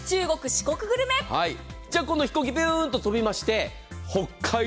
そして、飛行機、グーンと飛びまして北海道。